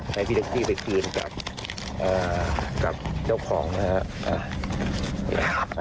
ให้พี่แท็กซี่ไปคืนกับเจ้าของนะครับ